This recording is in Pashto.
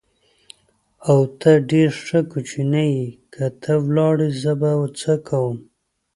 او، ته ډېر ښه کوچنی یې، که ته ولاړې زه به څه کوم؟